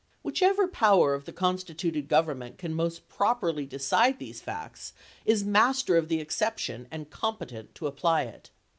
Whichever power of the constituted government can most properly decide these facts is master of the exception and competent to apply it.